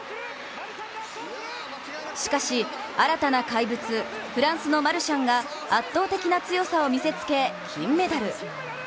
しかし、新たな怪物、フランスのマルシャンが圧倒的な強さを見せつけ金メダル。